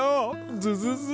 ズズズ。